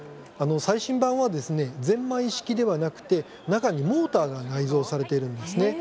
最新版は、ぜんまい式ではなくて中にモーターが内蔵されているんです。